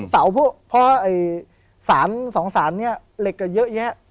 เพราะศาลสองศาลเนี่ยเล็กก็เยอะแยะ